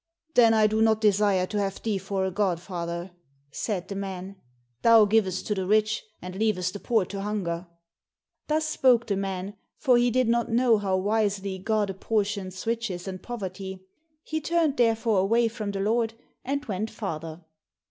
"Then I do not desire to have thee for a godfather," said the man; "thou givest to the rich, and leavest the poor to hunger." Thus spoke the man, for he did not know how wisely God apportions riches and poverty. He turned therefore away from the Lord, and went farther.